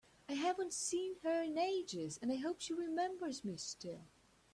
I haven’t seen her in ages, and I hope she remembers me still!